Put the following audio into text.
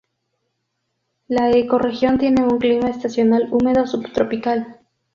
La ecorregión tiene un clima estacional húmedo subtropical.